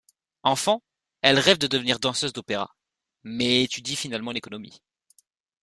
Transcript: Enfant, elle rêve de devenir danseuse d'opéra, mais étudie finalement l'économie.